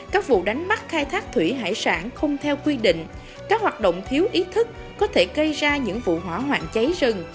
các vụ đánh bắt khai thác thủy hải sản không theo quy định các hoạt động thiếu ý thức có thể gây ra những vụ hỏa hoạn cháy rừng